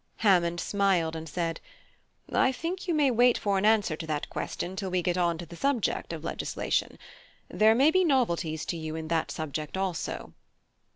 Hammond smiled and said: "I think you may wait for an answer to that question till we get on to the subject of legislation. There may be novelties to you in that subject also."